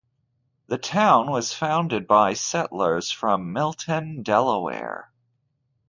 The town was founded by settlers from Milton, Delaware.